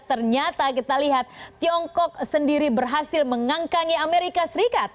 ternyata kita lihat tiongkok sendiri berhasil mengangkangi amerika serikat